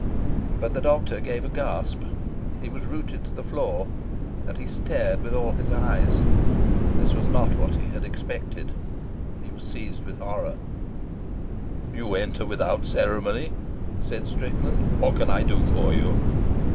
But the doctor gave a gasp, he was rooted to the floor, and he stared with all his eyes. This was not what he expected. He was seized with horror. "You enter without ceremony," said Strickland. "What can I do for you?"